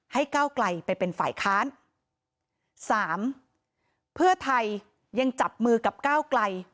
ก้าวไกลไปเป็นฝ่ายค้านสามเพื่อไทยยังจับมือกับก้าวไกล